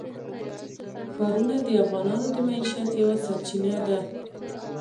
ښارونه د افغانانو د معیشت یوه سرچینه ده.